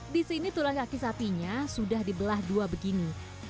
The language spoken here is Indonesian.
di sini tulang kaki sapinya sudah dibelah dua begini